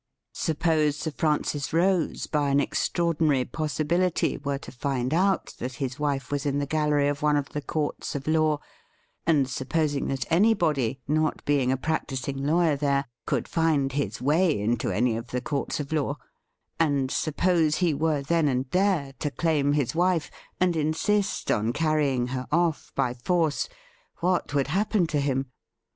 Suppose Sir Francis Rose, by an extraordinary possibility, were to find out that his wife was in the gallery of one of the courts of law — and supposing that anybody, not being a practising lawyer there, could find his way into any of the courts of law — and suppose he were then and there to claim his wife, and insist on carrying her off by force, what would happen to him.''